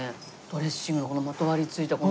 ドレッシングがまとわりついたこの。